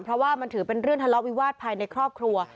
เพราะว่ามันถือเป็นเรื่องทะเลาะวิวาสภายในครอบครัว